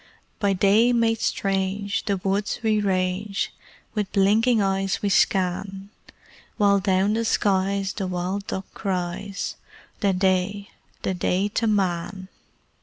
By day made strange, the woods we range With blinking eyes we scan; While down the skies the wild duck cries "The Day the Day to Man!"